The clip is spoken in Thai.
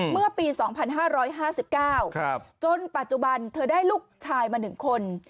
เมื่อปี๒๕๕๙จนปัจจุบันเธอได้ลูกชายมา๑คน